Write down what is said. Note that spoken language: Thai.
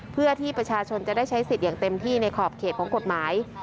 เพื่อที่ประชาชนจะได้ใช้สิทธิ์อย่างเต็มที่ในขอบเขตของกฎหมาย